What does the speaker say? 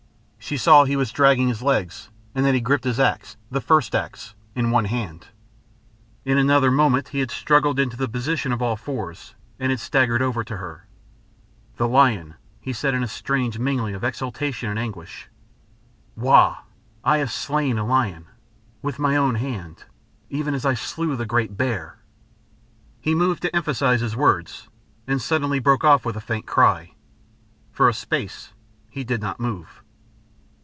She saw he was dragging his legs, and that he gripped his axe, the first axe, in one hand. In another moment he had struggled into the position of all fours, and had staggered over to her. "The lion," he said in a strange mingling of exultation and anguish. "Wau! I have slain a lion. With my own hand. Even as I slew the great bear." He moved to emphasise his words, and suddenly broke off with a faint cry. For a space he did not move.